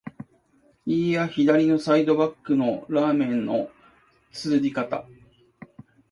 いーや、右サイドバックのラーメンの啜り方！